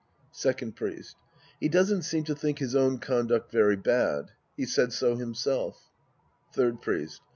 Second Priest. He doesn't seem to think his own conduct very bad. He said so himself Third Priest.